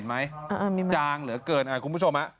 ไหมจางเหลือเกินคุณผู้ชม